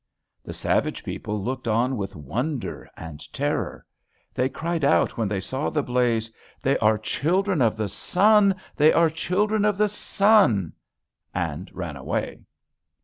The savage people looked on with wonder and terror. They cried out when they saw the blaze, "They are children of the sun, they are children of the sun!" and ran away.